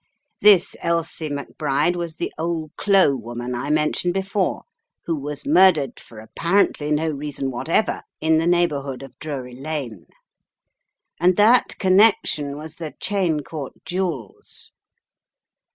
This Elsie McBride was the ole clo' woman I mentioned before who was murdered for apparently no reason whatever in the neighbourhood of Drury Lane. And that connection was the Cheyne Court jewels.